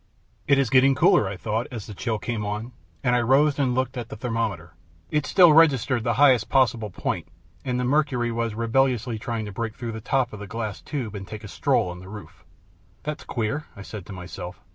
"It is getting cooler," I thought, as the chill came on, and I rose and looked at the thermometer. It still registered the highest possible point, and the mercury was rebelliously trying to break through the top of the glass tube and take a stroll on the roof. "That's queer," I said to myself.